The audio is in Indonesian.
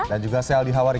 dan juga saya aldi hawari